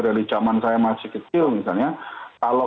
dari zaman saya masih kecil misalnya